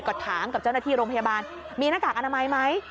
ก็ถามกับเจ้าหน้าที่โรงพยาบาลมีหน้ากากอนามัยไหม